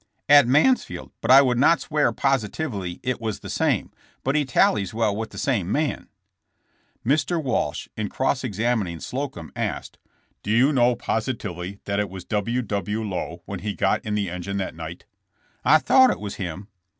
"At Mansfield, but I would not swear positively it was the same, but he tallies well with the same man." Mr. Walsh, in cross examining Sloeum, asked: "Did you know positively that it was W. W. Lowe when he got in the engine that night?" "I thought it was him."